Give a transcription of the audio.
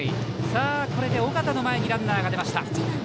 さあ、これで緒方の前にランナーが出ました。